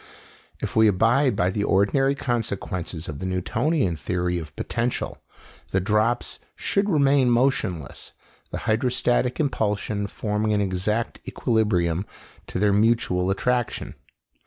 If we abide by the ordinary consequences of the Newtonian theory of potential, the drops should remain motionless, the hydrostatic impulsion forming an exact equilibrium to their mutual attraction.